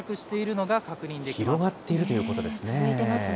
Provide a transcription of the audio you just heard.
広がっているということですね。